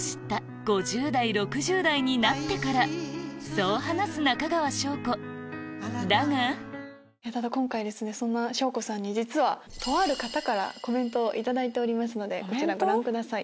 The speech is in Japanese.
そう話す中川翔子だが今回そんな翔子さんに実はとある方からコメントを頂いておりますのでこちらご覧ください。